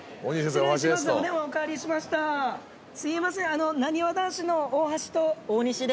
すいません。